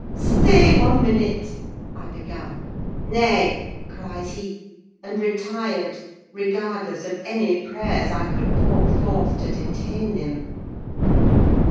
"Stay one minute," I began. "Nay," cried he, and retired, regardless of any prayers I could pour forth to detain him.